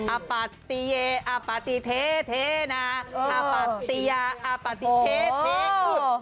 อัปติเยอัปติเทเทนาอัปติยาอัปติเทเทอุ๊ด